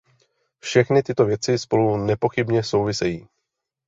Všechny tyto věci spolu nepochybně souvisejí.